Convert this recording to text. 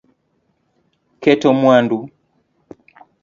Keto mwandu